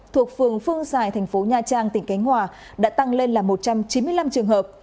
thuộc phường phương giải thành phố nha trang tỉnh cánh hòa đã tăng lên là một trăm chín mươi năm trường hợp